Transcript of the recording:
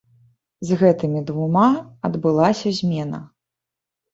З гэтымі двума адбылася змена.